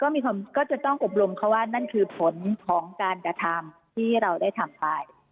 ก็จะต้องอบรมเขาว่านั่นคือผลของการกระทำที่เราได้ทำไป